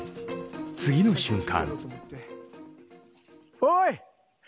次の瞬間。